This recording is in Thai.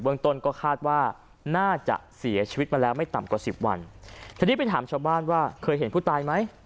เมืองต้นก็คาดว่าน่าจะเสียชีวิตมาแล้วไม่ต่ำกว่าสิบวันทีนี้ไปถามชาวบ้านว่าเคยเห็นผู้ตายไหม